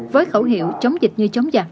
với khẩu hiệu chống dịch như chống giặc